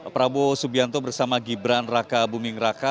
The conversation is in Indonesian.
prabowo subianto bersama gibran raka buming raka